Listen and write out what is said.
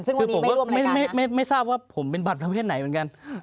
ซึ่งวันนี้ไม่ร่วมรายการนะไม่ทราบว่าผมเป็นบัตรประเภทไหนเหมือนกัน